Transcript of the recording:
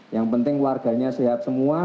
yang penting warganya sehat semua